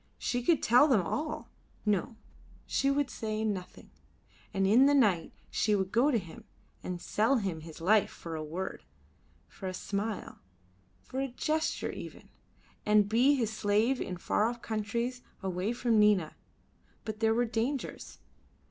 She could tell them all no, she would say nothing, and in the night she would go to him and sell him his life for a word, for a smile, for a gesture even, and be his slave in far off countries, away from Nina. But there were dangers.